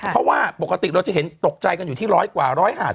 เพราะว่าปกติเราจะเห็นตกใจกันอยู่ที่ร้อยกว่าร้อยหาด